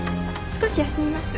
少し休みます。